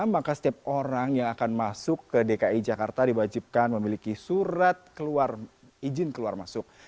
maka setiap orang yang akan masuk ke dki jakarta diwajibkan memiliki surat izin keluar masuk